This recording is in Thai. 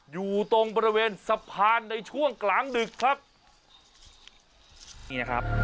อยู่ตรงประเวณสะพานในช่วงกลางดึกครับ